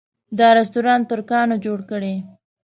دا رسټورانټ ترکانو جوړه کړې.